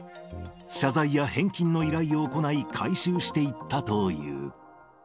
謝罪や返金の依頼を行い、回収していったという。